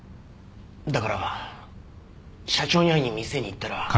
だから社長に会いに店に行ったら。